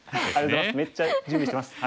めっちゃ準備してます。